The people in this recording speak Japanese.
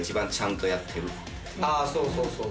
あぁそうそうそう。